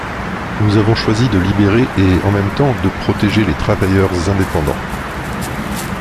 Nous avons choisi de libérer et en même temps de protéger les travailleurs indépendants.